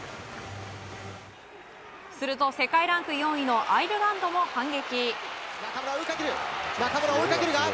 すると世界ランク４位のアイルランドも反撃。